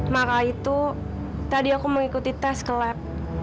maka itu tadi aku mengikuti tes ke lab